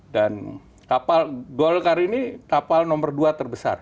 dan golkar ini kapal nomor dua terbesar